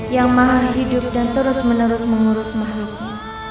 yang maha hidup dan terus menerus mengurus mahluknya